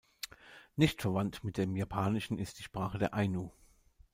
Nicht verwandt mit dem Japanischen ist die Sprache der Ainu.